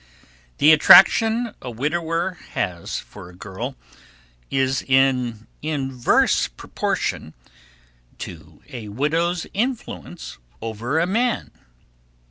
The attraction a widower has for a girl is in inverse proportion to a widow's influence over a man.